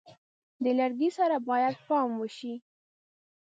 د لرګي سره باید پام وشي.